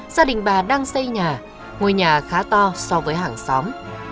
gia đình bà đang xây nhà ngôi nhà khá to so với hàng xóm